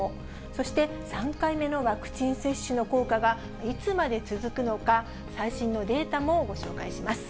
そして、３回目のワクチン接種の効果がいつまで続くのか、最新のデータもご紹介します。